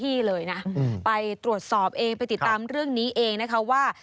ที่เลยนะไปตรวจสอบเองไปติดตามเรื่องนี้เองนะคะว่า